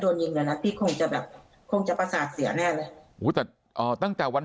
โดนยิงนะพี่คงจะแบบคงจะประสาทเสียแน่เลยแต่ตั้งแต่วัน